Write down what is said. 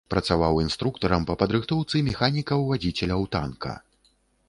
Працаваў інструктарам па падрыхтоўцы механікаў-вадзіцеляў танка.